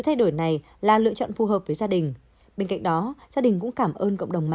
thay đổi này là lựa chọn phù hợp với gia đình bên cạnh đó gia đình cũng cảm ơn cộng đồng mạng